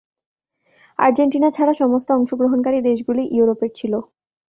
Argentina ছাড়া, সমস্ত অংশগ্রহণকারী দেশগুলি ইউরোপের ছিল।